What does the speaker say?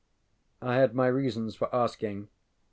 ŌĆØ I had my reasons for asking.